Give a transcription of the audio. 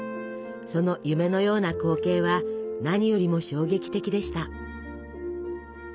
その「夢のような光景」は何よりも衝撃的でした。